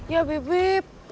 ya beb beb